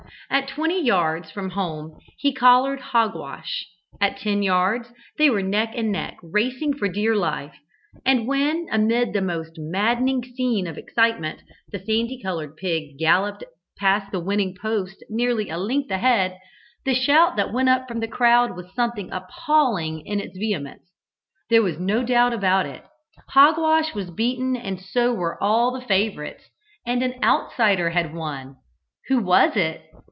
At twenty yards from home he collared Hogwash, at ten yards they were neck and neck, racing for dear life, and when, amid the most maddening scene of excitement the sandy coloured pig galloped past the winning post nearly a length ahead, the shout that went up from the crowd was something appalling in its vehemence. There was no doubt about it. Hogwash was beaten and so were all the favourites, and an outsider had won. Who was it?